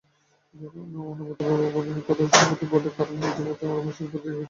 অন্নদাবাবু ভাবিলেন কথাটা সংগত বটে, কারণ ইতিমধ্যে রমেশের উপর দিয়া শোকদুঃখের দুর্যোগ গিয়াছে।